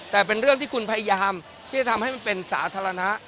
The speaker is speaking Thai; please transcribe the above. แต่เป็นเรื่องที่คุณพยายามที่จะทำให้มันเป็นสาธารณะ